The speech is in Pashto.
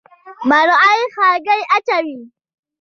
مرغۍ هګۍ اچوي.